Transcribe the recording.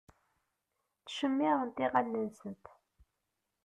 Ttcemmiṛent iɣallen-nsent.